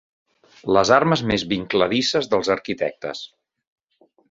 Les armes més vincladisses dels arquitectes.